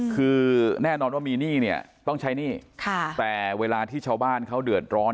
คือแน่นอนว่ามีหนี้เนี่ยต้องใช้หนี้แต่เวลาที่ชาวบ้านเขาเดือดร้อน